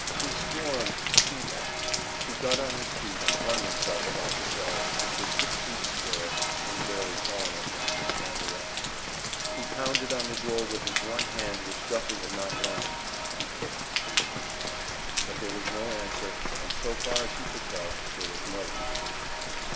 He stormed, he wept. He got on his feet and flung himself about the cell, which was six feet square, and barely tall enough for him to stand erect. He pounded on the door with his one hand which Guffey had not lamed, he kicked, and he shouted. But there was no answer, and so far as he could tell, there was no one to hear.